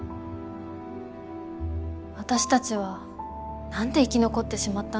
「私たちはなんで生き残ってしまったんだろう」。